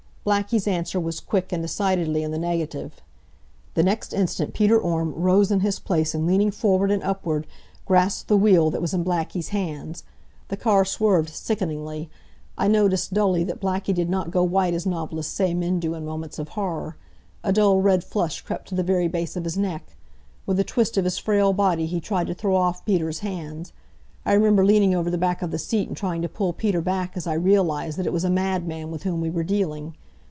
Blackie's answer was quick and decidedly in the negative. The next instant Peter Orme rose in his place and leaning forward and upward, grasped the wheel that was in Blackie's hands. The car swerved sickeningly. I noticed, dully, that Blackie did not go white as novelists say men do in moments of horror. A dull red flush crept to the very base of his neck. With a twist of his frail body he tried to throw off Peter's hands. I remember leaning over the back of the seat and trying to pull Peter back as I realized that it was a madman with whom we were dealing.